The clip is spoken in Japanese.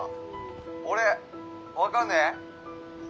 俺分かんね？